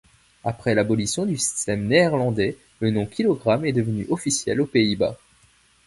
Après l'abolition du système néerlandais, le nom kilogramme est devenu officiel aux Pays-Bas.